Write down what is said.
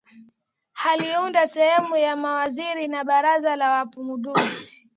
Aliunda sehemu ya mawaziri wa baraza la mapinduzi